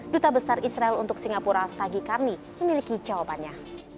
duta besar israel untuk singapura sagi karni memiliki jawabannya